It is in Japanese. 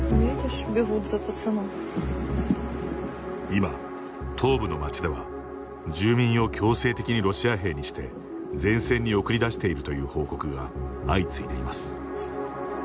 今、東部の町では住民を強制的にロシア兵にして前線に送り出しているという報告が相次いでいます。